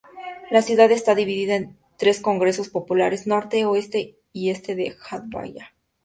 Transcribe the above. La ciudad está dividida en tres congresos populares: Norte, Oeste y Este de Ajdabiya.